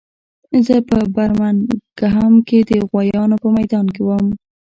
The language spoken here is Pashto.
زه په برمنګهم کې د غویانو په میدان کې وم